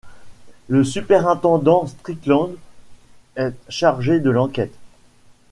Le superintendant Strickland est chargé de l’enquête.